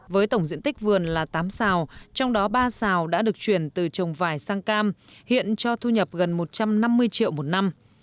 với tổng diện tích vườn là tám xào trong đó ba xào đã được chuyển từ trồng vải sang cam hiện cho thu nhập gần một trăm năm mươi triệu một năm